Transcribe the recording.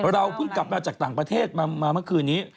เพิ่งกลับมาจากต่างประเทศมาเมื่อคืนนี้